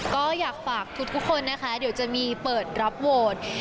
ก็อยากฝากทุกคนนะคะเดี๋ยวจะมีเปิดรับโหวต